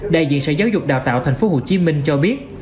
đại diện sở giáo dục đào tạo tp hcm cho biết